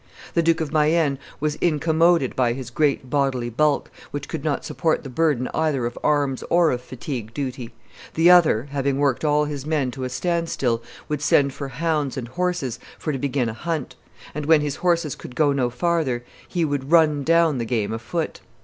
The Duke of Mayenne was incommoded by his great bodily bulk, which could not support the burden either of arms or of fatigue duty. The other, having worked all his men to a stand still, would send for hounds and horses for to begin a hunt; and when his horses could go no farther, he would run down the game afoot.